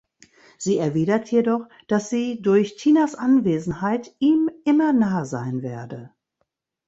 Sie erwidert jedoch, dass sie durch Tinas Anwesenheit ihm immer nahe sein werde.